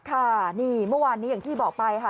ค่ะนี่เมื่อวานนี้อย่างที่บอกไปค่ะ